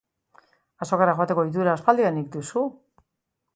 Azokara joateko ohitura aspaldidanik duzu?